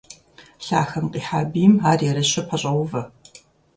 Лъахэм къихьа бийм ар ерыщу пэщӀоувэ.